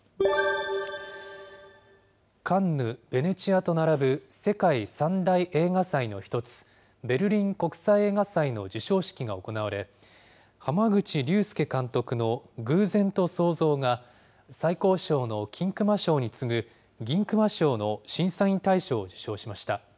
カンヌ、ベネチアと並ぶ世界三大映画祭の一つ、ベルリン国際映画祭の授賞式が行われ、濱口竜介監督の偶然と想像が、最高賞の金熊賞に次ぐ銀熊賞の審査員大賞を受賞しました。